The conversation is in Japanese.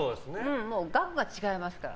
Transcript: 額が違いますから。